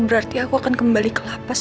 berarti aku akan kembali ke lapas